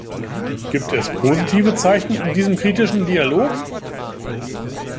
Gibt es positive Zeichen in diesem kritischen Dialog?